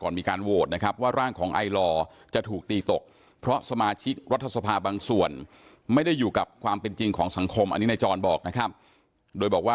ในตรงนี้เราจะไม่ยุ่งครับ